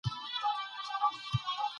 صنعتي ټولنې روښانه راتلونکی لري.